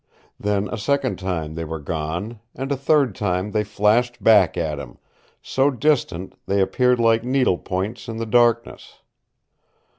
Then a second time they were gone, and a third time they flashed back at him so distant they appeared like needle points in the darkness.